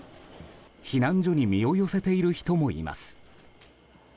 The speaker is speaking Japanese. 避難所に身を寄せている人もいます。